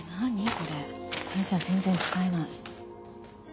これじゃ全然使えない。